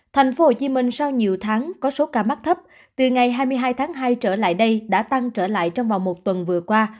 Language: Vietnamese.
thành phố hồ chí minh sau nhiều tháng có số ca mắc thấp từ ngày hai mươi hai tháng hai trở lại đây đã tăng trở lại trong vòng một tuần vừa qua